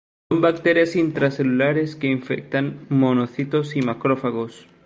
Son bacterias intracelulares, que infectan monocitos y macrófagos.